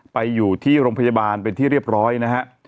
ไปอยู่ที่โรงพยาบาลเป็นที่เรียบร้อยนะฮะ